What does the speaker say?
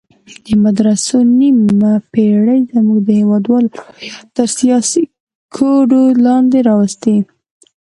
دې مدرسو نیمه پېړۍ زموږ د هېوادوالو روحیات تر سیاسي کوډو لاندې راوستي.